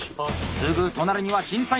すぐ隣には審査員。